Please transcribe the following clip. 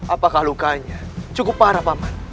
apakah lukanya cukup parah pak aman